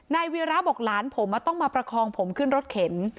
วีระบอกหลานผมต้องมาประคองผมขึ้นรถเข็น